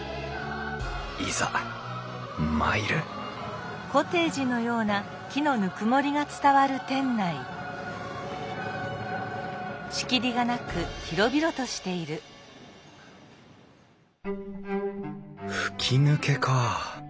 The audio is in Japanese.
いざ参る吹き抜けか。